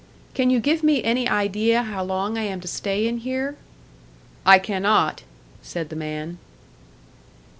"Can you give me any idea how long I am to stay in here?" "I cannot," said the man.